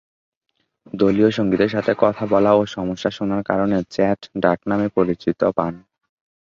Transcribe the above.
দলীয় সঙ্গীদের সাথে কথা বলা ও সমস্যা শোনার কারণে ‘চ্যাট’ ডাকনামে পরিচিতি পান।